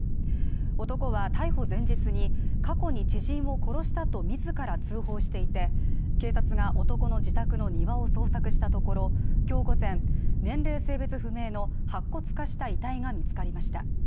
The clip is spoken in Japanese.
男は逮捕前日に過去に知人を殺したと自ら通報していて、警察が男の自宅の庭を捜索したところ、今日午前年齢性別不明の白骨化した遺体が見つかりました。